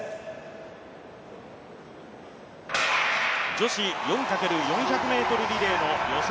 女子４×４００ｍリレーの予選